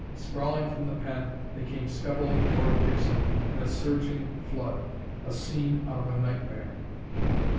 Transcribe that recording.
Sprawling from the pen, they came scuttling toward Dixon in a surging flood a scene out of a nightmare.